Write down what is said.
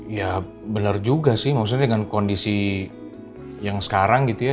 ya benar juga sih maksudnya dengan kondisi yang sekarang gitu ya